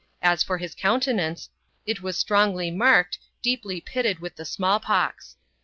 As for his countenance, it was strongly marked, deeply pitted with the small pox.